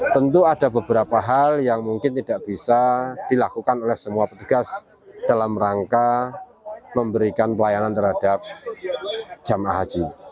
tentu ada beberapa hal yang mungkin tidak bisa dilakukan oleh semua petugas dalam rangka memberikan pelayanan terhadap jemaah haji